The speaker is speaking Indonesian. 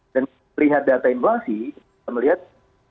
dan perihal data inflasi kita melihat apa yang terjadi